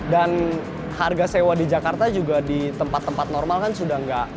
dan harga sewa di jakarta juga di tempat tempat normal kan sudah gak ada ya kan